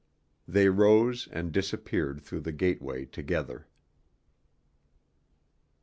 They rose and disappeared through the gateway together.